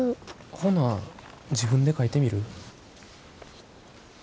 ほな自分で書いてみる？